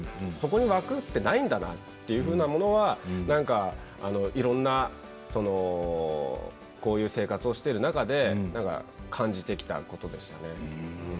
そこに枠ってないんだなというようなものはいろんな、こういう生活をしている中で感じてきたことでしたね。